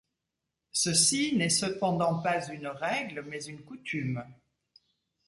Ceci n’est cependant pas une règle mais une coutume.